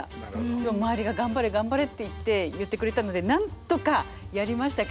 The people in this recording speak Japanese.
でも周りが「頑張れ頑張れ」っていって言ってくれたのでなんとかやりましたけど。